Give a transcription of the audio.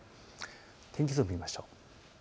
天気図を見ましょう。